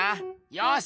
よし！